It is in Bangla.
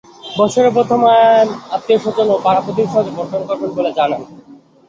বছরের প্রথম আম আত্মীয়স্বজন ও পাড়া প্রতিবেশীদের মাঝে বণ্টন করবেন বলে জানান।